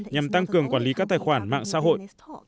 nhằm tăng cường quản lý các tài khoản mạng xã hội